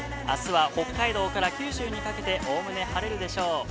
あすは北海道から九州にかけて、おおむね晴れるでしょう。